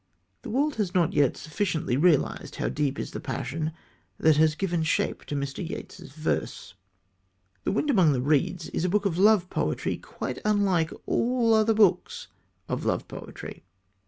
The world has not yet sufficiently realized how deep is the passion that has given shape to Mr. Yeats's verse. The Wind Among the Reeds is a book of love poetry quite unlike all other books of love poetry.